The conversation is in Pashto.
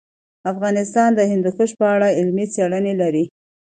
افغانستان د هندوکش په اړه علمي څېړنې لري.